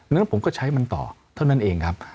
ดังนั้นผมก็ใช้มันต่อเท่านั้นเองครับ